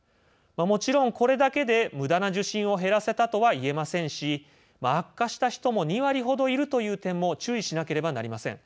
もちろん、これだけで無駄な受診を減らせたとは言えませんし悪化した人も２割ほどいるという点も注意しなければなりません。